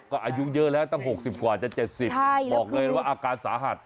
ก็อายุเยอะแล้วตั้ง๖๐กว่าจะ๗๐บอกเลยว่าอาการสาหัส